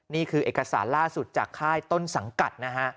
นี่คือเอกสารล่าสุดจากค่ายต้นสังกัดนะฮะ